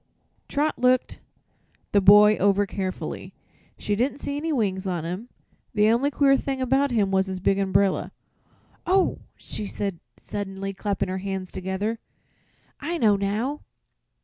'" Trot looked the boy over carefully. She didn't see any wings on him. The only queer thing about him was his big umbrella. "Oh!" she said suddenly, clapping her hands together; "I know now."